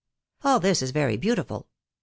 All this is very beautiful !